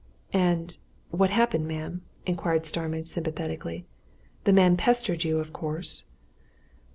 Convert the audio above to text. "And what happened, ma'am?" inquired Starmidge sympathetically. "The man pestered you, of course!"